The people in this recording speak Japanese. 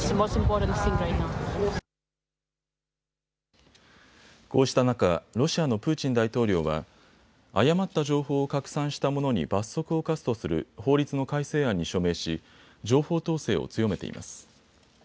こうした中、ロシアのプーチン大統領は誤った情報を拡散した者に罰則を科すとする法律の改正案に署名し情報統制を強めています。